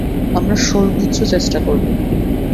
আমরা সর্বোচ্চ চেষ্টা করব।